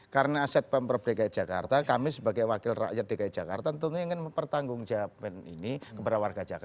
karena aset pempreb dki jakarta kami sebagai wakil rakyat dki jakarta tentunya ingin mempertanggung jawaban ini kepada warga jakarta